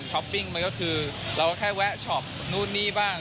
ปิ้งมันก็คือเราก็แค่แวะช็อปนู่นนี่บ้าง